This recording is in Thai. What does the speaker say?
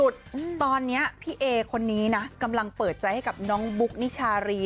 ตอนนี้พี่เอคนนี้นะกำลังเปิดใจให้กับน้องบุ๊กนิชารี